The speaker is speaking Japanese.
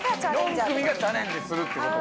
４組がチャレンジするって事か。